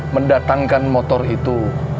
mendatangkan motor itu